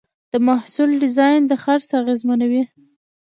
د محصول ډیزاین د خرڅ اغېزمنوي.